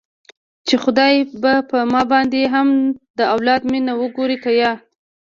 چې خداى به په ما باندې هم د اولاد مينه وګوري که يه.